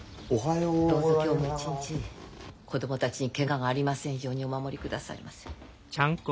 どうぞ今日も一日子どもたちにケガがありませんようにお守りくださいませ。